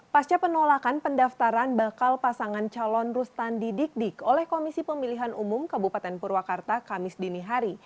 pasca penolakan pendaftaran bakal pasangan calon rustandi dik dik oleh komisi pemilihan umum kabupaten purwakarta kamis dinihari